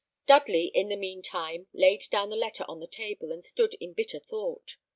Dudley, in the mean time, laid down the letter on the table, and stood in bitter thought.